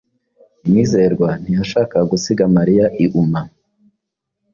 Mwizerwa ntiyashakaga gusiga Mariya iuma.